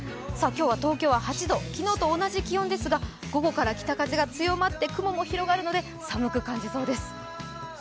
今日は東京は８度昨日と同じ気温ですが午後から北風が強まって雲も広がるので寒く感じそうです。